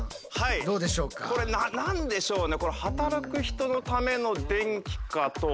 これ何でしょうね。